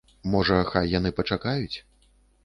Можа, хай яны пачакаюць?